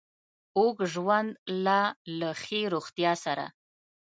اوږد ژوند له له ښې روغتیا سره